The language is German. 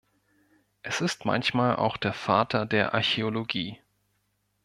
Es ist manchmal auch der "Vater der Archäologie".